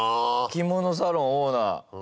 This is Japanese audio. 「着物サロンオーナー」。